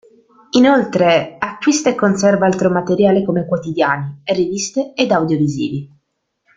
Inoltre acquista e conserva altro materiale come quotidiani, riviste ed audiovisivi.